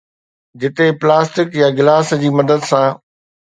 جتي پلاسٽڪ يا گلاس جي مدد سان